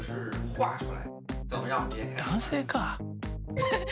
男性か。